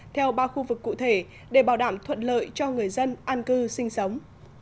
theo ba khu vực cụ thể để bảo đảm thuận lợi cho người dân an cư sinh sống